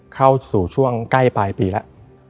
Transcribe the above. เข้าสู่ช่วงใกล้ปลายปีแล้ว